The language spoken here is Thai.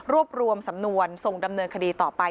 รวบรวมสำนวนส่งดำเนินคดีต่อไป